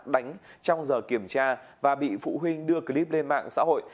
đánh trong giờ kiểm tra và bị phụ huynh đưa clip lên mạng xã hội